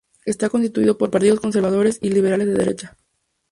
Está constituido por partidos conservadores y liberales de derecha.